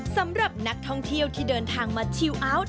สำหรับนักท่องเที่ยวที่เดินทางมาชิลเอาท์